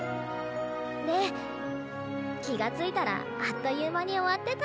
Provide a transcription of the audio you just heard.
で気が付いたらあっという間に終わってた。